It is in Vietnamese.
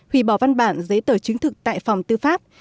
hủy bỏ văn bản giấy tờ chứng thực tại phòng tư pháp